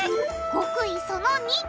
極意その２！